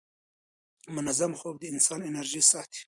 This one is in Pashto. منظم خوب د انسان انرژي ساتي.